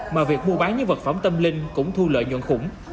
mà việc mua bán những vật phẩm tâm linh cũng thu lợi nhuận khủng